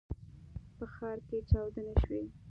په ښار کې چاودنې شوي.